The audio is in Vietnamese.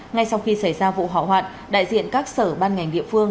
ngay sau khi xảy ra vụ hỏa hoạn đại diện các sở ban ngành địa phương